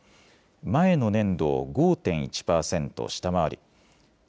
前の年度を５．１％下回り